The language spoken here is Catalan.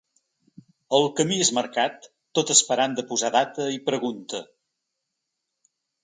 El camí és marcat tot esperant de posar data i pregunta.